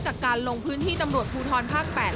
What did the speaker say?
จากการลงพื้นที่ตำรวจภูทรภาค๘